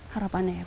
harapannya ya pak